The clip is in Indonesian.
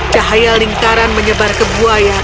cahaya lingkaran menyebar ke buaya